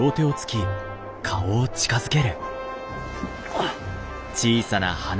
あっ！